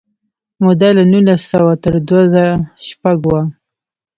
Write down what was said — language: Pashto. موده له نولس سوه تر دوه زره شپږ وه.